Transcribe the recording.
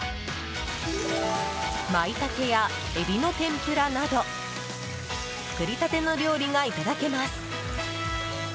マイタケやエビの天ぷらなど作りたての料理がいただけます。